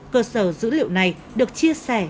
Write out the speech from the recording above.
cơ sở dữ liệu này được chia sẻ